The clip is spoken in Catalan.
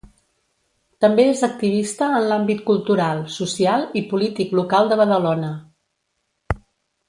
També és activista en l'àmbit cultural, social i polític local de Badalona.